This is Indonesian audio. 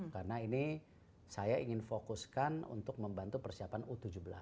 karena ini saya ingin fokuskan untuk membantu persiapan u tujuh belas